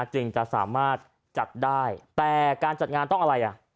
จึงจะสามารถจัดได้แต่การจัดงานต้องอะไรอ่ะ